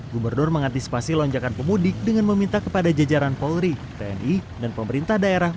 gubernur mengantisipasi lonjakan pemudik dengan meminta kepada jajaran polri tni dan pemerintah daerah